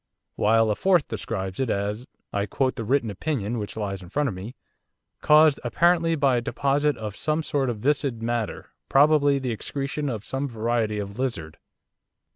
While a fourth describes it as I quote the written opinion which lies in front of me 'caused apparently by a deposit of some sort of viscid matter, probably the excretion of some variety of lizard.